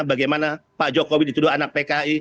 bagaimana pak jokowi dituduh anak pki